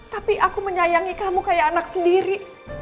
tapi aku menyayangi kamu kayak anak sendiri